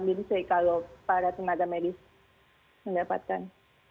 jadi itu yang saya rasa lebih penting untuk para tenaga medis mendapatkan